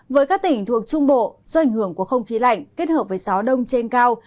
với các tỉnh thuộc trung bộ do ảnh hưởng của không khí lạnh kết hợp với gió đông trên cao